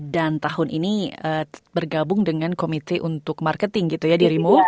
dan tahun ini bergabung dengan komite untuk marketing gitu ya dirimu